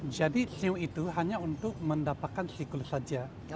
jadi shio itu hanya untuk mendapatkan siklus saja